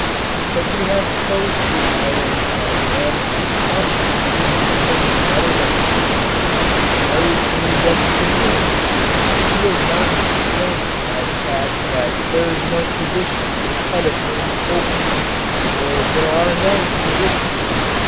But we have so few titles that a man who ought to be doing something better than he is doing, very soon gets to doing it he is not restrained by the fact that there is no position ahead of him "open" for there are no "positions."